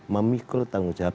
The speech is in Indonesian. memikul tanggung jawab